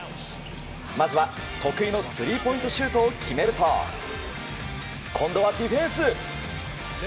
まずは得意のスリーポイントシュートを決めると今度はディフェンス。